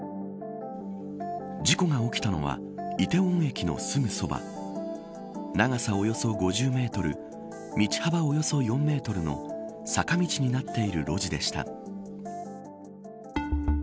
事故が起きたのは梨泰院駅のすぐそば長さおよそ５０メートル道幅およそ４メートルの坂道になっている路地でした。